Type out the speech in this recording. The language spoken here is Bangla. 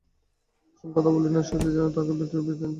কুসুম কথা বলিল না, শশী যেন তাতে আরও বিবর্ণ হইয়া গেল।